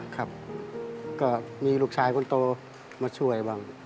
ก็เงี่ยมีลูกชายคนนโตลูกมาช่วยบ้าง